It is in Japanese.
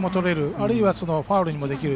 あるいはファウルにもできる。